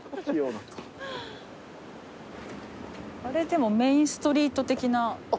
あれでもメインストリート的な所？